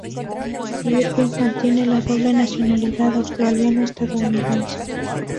Aun así, Irving mantiene la doble nacionalidad australiana-estadounidense.